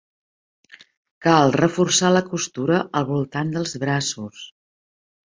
Cal reforçar la costura al voltant dels braços.